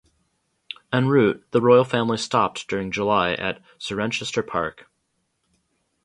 En route the royal family stopped during July at Cirencester Park.